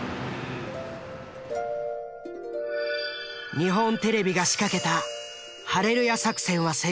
日本テレビが仕掛けた「ハレルヤ」作戦は成功。